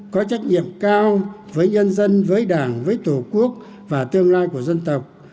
có trách nhiệm cao với nhân dân với đảng với tổ quốc và tương lai của dân tộc